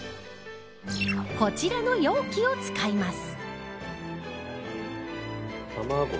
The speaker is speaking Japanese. こちらの容器を使います。